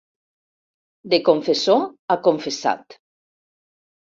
De confessor a confessat.